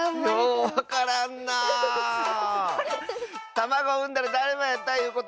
たまごをうんだらだるまやったいうことか？